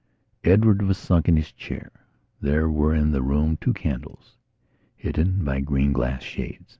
Edward was sunk in his chair; there were in the room two candles, hidden by green glass shades.